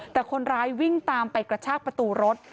แต่คนร้ายวิ่งตามไปกระชากประตูรถ